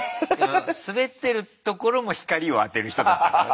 スベってるところも光をあてる人たちだからね。